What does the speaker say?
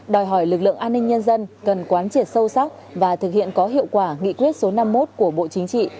đòi hỏi lực lượng an ninh nhân dân cần quán triệt sâu sắc và thực hiện có hiệu quả nghị quyết số năm mươi một của bộ chính trị